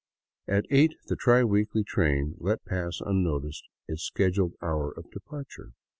At eight the tri weekly train let pass unnoticed its scheduled hour of departure.